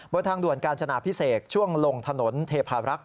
บนทางด่วนกาญจนาพิเศษช่วงลงถนนเทพารักษ